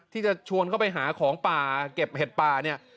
ที่จะชวนเข้าไปหาของป่าเก็บเห็ดป่าเนี่ย